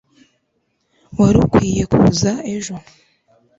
wari ukwiye kuza ejo